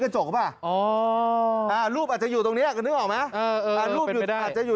กระจกป่ะอ๋อรูปอาจจะอยู่ตรงนี้ก็นึกออกไหมอาจจะอยู่